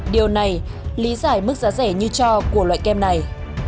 điều này lý giải mức giá rẻ như cho của loại kem này